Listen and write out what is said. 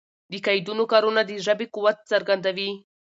د قیدونو کارونه د ژبي قوت څرګندوي.